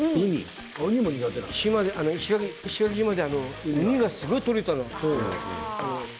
石垣島でウニがすごい取れたのよ。